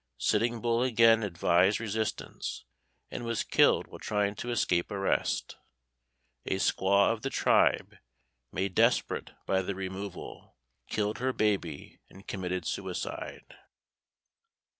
Sitting Bull again advised resistance, and was killed while trying to escape arrest. A squaw of the tribe, made desperate by the removal, killed her baby and committed suicide.